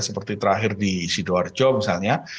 seperti terakhir di sidoarjo misalnya